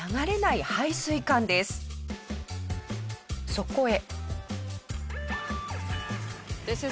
そこへ。